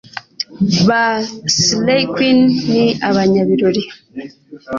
Ba Slay Queen ni abanyabirori